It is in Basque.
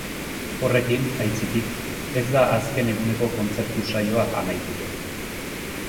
Horrekin, aitzitik, ez da azken eguneko kontzertu-saioa amaituko.